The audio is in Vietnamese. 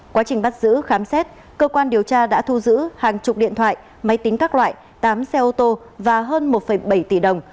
quá trình bắt giữ khám xét cơ quan điều tra đã thu giữ hàng chục điện thoại máy tính các loại tám xe ô tô và hơn một bảy tỷ đồng